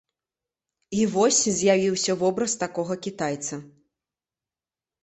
І вось з'явіўся вобраз такога кітайца.